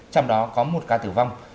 trong đó có một ca tử vong